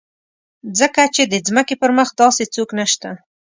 ځکه چې د ځمکې پر مخ داسې څوک نشته.